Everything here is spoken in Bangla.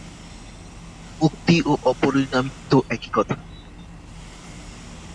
মুক্তি ও অপরিণামিত্ব একই কথা।